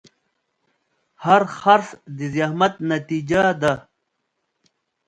هر خرڅ د زحمت نتیجه ده.